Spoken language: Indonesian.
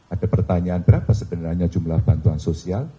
ada pertanyaan berapa sebenarnya jumlah bantuan sosial